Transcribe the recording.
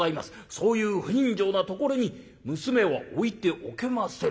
そういう不人情なところに娘は置いておけません』